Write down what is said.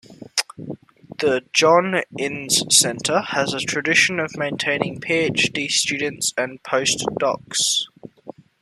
The John Innes Centre has a tradition of training PhD students and post-docs.